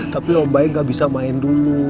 tapi om baik gak bisa main dulu